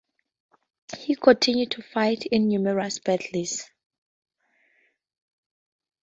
He continued to fight in numerous battles.